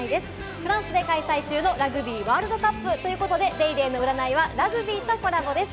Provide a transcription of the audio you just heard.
フランスで開催中のラグビーワールドカップということで『ＤａｙＤａｙ．』の占いはラグビーとコラボです。